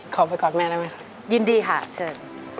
ขอไปกอดแม่ได้ไหมคะยินดีค่ะเชิญ